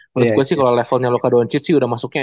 menurut gua sih kalo levelnya luka doncic udah masuknya